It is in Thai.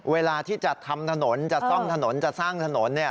เวลาที่จะทำถนนจะซ่อมถนนจะสร้างถนน